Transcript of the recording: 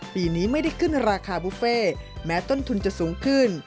ปีนี้ไม่ได้ขึ้นราคาบุฟเฟ่แม้ต้นทุนจะสูงขึ้น